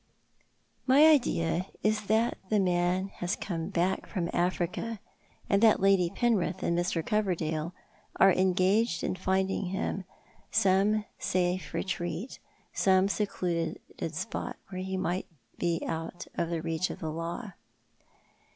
;My idea is that the man has come back from Africa, and that Lady Penrith and Mr. Coverdale are engaged in finding some safe retreat for him, some secluded spot where ho may be out of reach of the law.